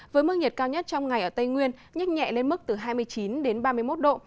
với mức nhiệt cao nhất trong ngày ở tây nguyên nhích nhẹ lên mức từ hai mươi chín đến ba mươi một độ